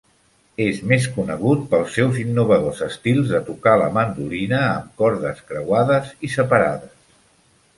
És més conegut pels seus innovadors estils de tocar la mandolina amb cordes creuades i separades.